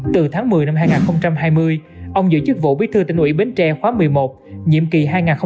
từ tháng một mươi năm hai nghìn hai mươi ông giữ chức vụ bí thư thành ủy bến tre khóa một mươi một nhiệm kỳ hai nghìn hai mươi hai nghìn hai mươi năm